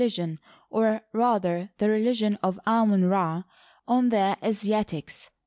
ligion— or rather the religion of Anion R§ — on the Asiat ics.